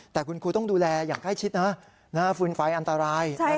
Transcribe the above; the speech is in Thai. แต่คุณครูต้องดูแลอย่างใกล้ชิดนะฟืนไฟอันตราย